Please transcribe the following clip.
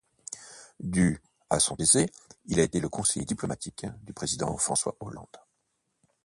Du à son décès, il a été le conseiller diplomatique du président François Hollande.